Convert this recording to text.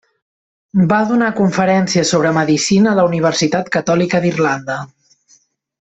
Va donar conferències sobre medicina a la Universitat Catòlica d'Irlanda.